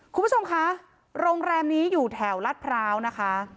คุณผู้ชมคะโรงแรมนี้อยู่แถวรัฐพร้าวนะคะ